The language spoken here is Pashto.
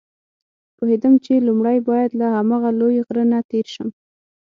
پوهېدم چې لومړی باید له هماغه لوی غره نه تېر شم.